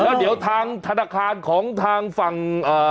แล้วเดี๋ยวทางธนาคารของทางฝั่ง